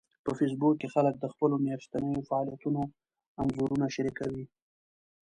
په فېسبوک کې خلک د خپلو میاشتنيو فعالیتونو انځورونه شریکوي